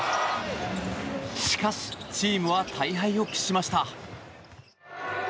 しかし、チームは大敗を喫しました。